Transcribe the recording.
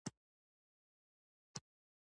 څلور ځوابه پوښتنې هر سم ځواب یوه نمره لري